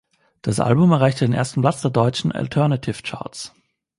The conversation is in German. Das Album erreichte den ersten Platz der Deutschen Alternative Charts.